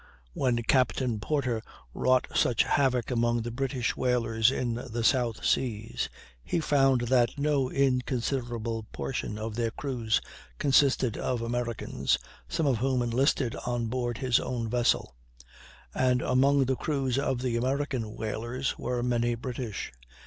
When Captain Porter wrought such havoc among the British whalers in the South Seas, he found that no inconsiderable portion of their crews consisted of Americans, some of whom enlisted on board his own vessel; and among the crews of the American whalers were many British.